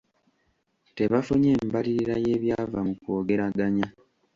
Tebafunye mbalirira y'ebyava mu kwogeraganya.